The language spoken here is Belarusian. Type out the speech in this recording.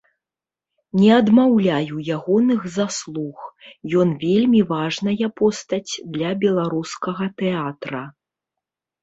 Не адмаўляю ягоных заслуг, ён вельмі важная постаць для беларускага тэатра.